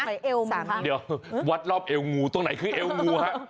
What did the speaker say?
เดี๋ยววัดรอบเอวงูตรงไหนคือเอวงูฮะ